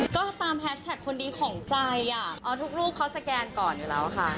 ก็ตามแฮชแท็กคนดีของใจทุกรูปเขาสแกนก่อนอยู่แล้วค่ะ